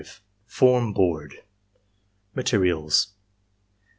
— ^Fonn Board Materials.